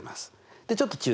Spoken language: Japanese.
でちょっと注意。